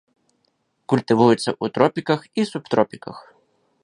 Культывуецца ў тропіках і субтропіках.